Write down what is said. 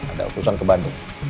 ada urusan ke bandung